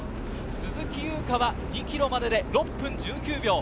鈴木優花は２ｋｍまでで６分１９秒。